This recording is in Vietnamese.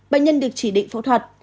bệnh nhân được chỉ định phẫu thuật